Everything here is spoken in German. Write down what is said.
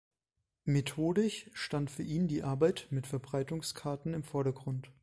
Methodisch stand für ihn die Arbeit mit Verbreitungskarten im Vordergrund.